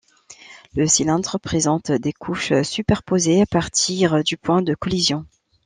Le cylindre présente des couches superposées à partir du point de collision.